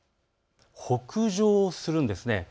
北上するんです。